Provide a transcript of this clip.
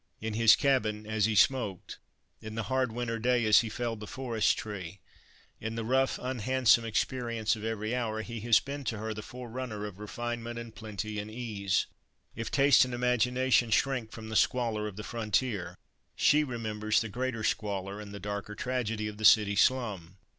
In his cabin as he smoked, in the hard winter day as he felled the forest tree, in the rough, unhandsome experience of every hour, he has been to her the forerunner of refinement and plenty and ease. If taste and imagination shrink from the squalor of the frontier, she remembers the greater squalor and the darker tragedy of the city slum.